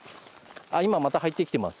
今また入ってきてます。